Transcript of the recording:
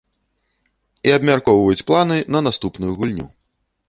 І абмяркоўваюць планы на наступную гульню.